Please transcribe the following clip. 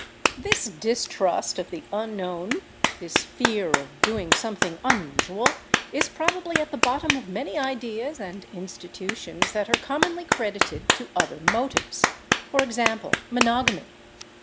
This distrust of the unknown, this fear of doing something unusual, is probably at the bottom of many ideas and institutions that are commonly credited to other motives. For example, monogamy.